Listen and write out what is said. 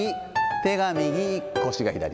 手が右、腰が左。